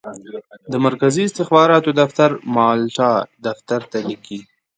د مرکزي استخباراتو دفتر مالټا دفتر ته لیکي.